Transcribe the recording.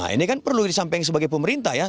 ini kan perlu disampaikan sebagai pemerintah ya